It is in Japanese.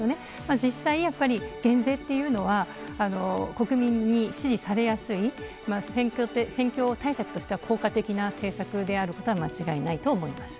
実際に減税というのは国民に支持されやすい選挙対策としては効果的な政策であることは間違いないと思います。